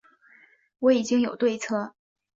我已经有对策